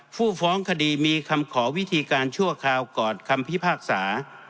ผู้ฟ้องคดีมีคำขอวิธีการชั่วคราวก่อนคำพิพากษา